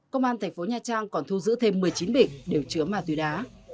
công an tp nha trang còn thu giữ thêm một mươi chín bịch đều chứa ma túy đá